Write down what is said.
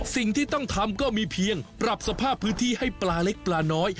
สิ่งที่ต้องทำก็มีเพียงปรับสภาพพื้นที่ให้ปลาเล็กปลาน้อย